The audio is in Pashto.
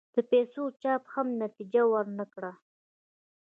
د پیسو چاپ هم نتیجه ور نه کړه.